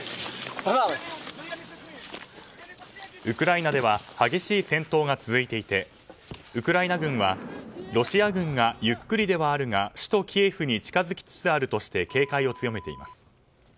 ウクライナでは激しい戦闘が続いていてウクライナ軍はロシア軍がゆっくりではあるが首都キエフに近づきつつあるとして警戒を強めています。